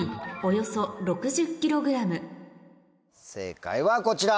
正解はこちら。